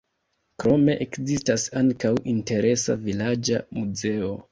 Krome ekzistas ankaŭ interesa vilaĝa muzeo.